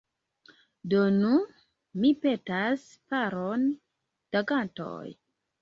Donu, mi petas, paron da gantoj.